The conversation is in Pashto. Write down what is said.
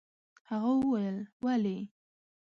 هغه وويل: ولې؟